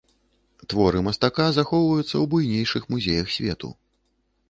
Творы мастака, захоўваюцца ў буйнейшых музеях свету.